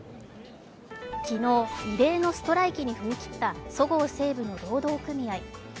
昨日、異例のストライキに踏み切ったそごう・西武の労働組合。